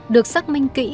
được xác minh kỹ